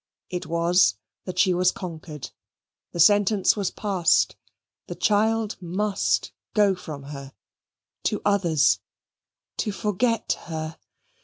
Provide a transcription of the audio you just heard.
It was that she was conquered. The sentence was passed. The child must go from her to others to forget her.